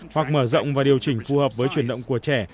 hoặc mở rộng và điều chỉnh phù hợp với chuyển động của trẻ